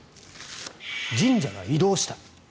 神社が移動した。